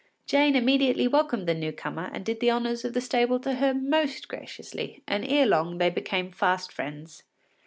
Jane immediately welcomed the new comer and did the honours of the stable to her most graciously, and ere long they became fast friends.